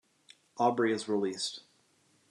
Aubrey is released.